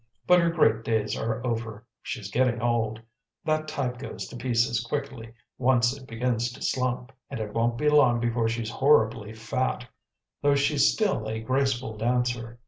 But her great days are over: she's getting old; that type goes to pieces quickly, once it begins to slump, and it won't be long before she'll be horribly fat, though she's still a graceful dancer.